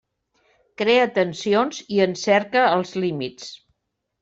Crea tensions i en cerca els límits.